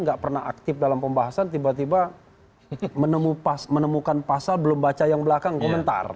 nggak pernah aktif dalam pembahasan tiba tiba menemukan pasal belum baca yang belakang komentar